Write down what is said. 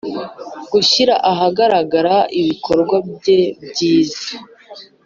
gushyira ahagaragara ibikorwa bye byiza.